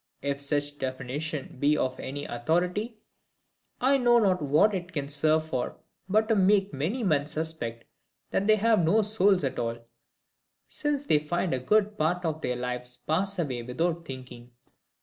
If such definition be of any authority, I know not what it can serve for but to make many men suspect that they have no souls at all; since they find a good part of their lives pass away without thinking.